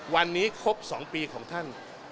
วันนี้ครบ๒ปีของท่าน